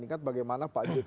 ingat bagaimana pak jk berpikir